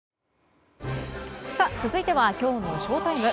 続いてはきょうのＳＨＯＴＩＭＥ。